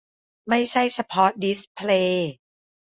ไม่ใช่เฉพาะดิสเพลย์